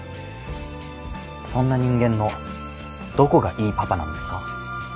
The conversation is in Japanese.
そんな人間のどこがいいパパなんですか？